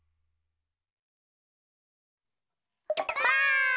ばあっ！